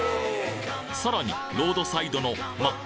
さらにロードサイドの真っ